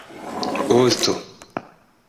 osto